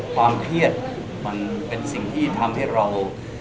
ความเครียดมันเป็นสิ่งที่ทำให้เรา